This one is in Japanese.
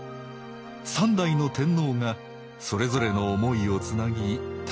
三代の天皇がそれぞれの思いをつなぎ誕生した日本。